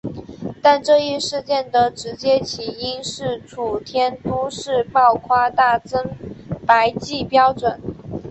但这一事件的直接起因是楚天都市报夸大增白剂标准。